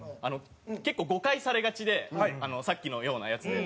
結構誤解されがちでさっきのようなやつで。